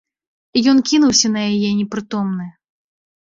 Ён кінуўся на яе, непрытомны.